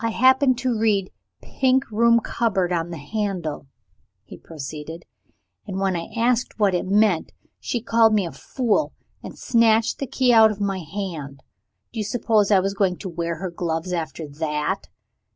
"I happened to read 'Pink Room Cupboard' on the handle," he proceeded; "and when I asked what it meant she called me a fool, and snatched the key out of my hand. Do you suppose I was going to wear her gloves after that?